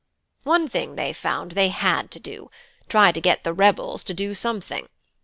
"One thing they found they had to do: try to get the 'rebels' to do something.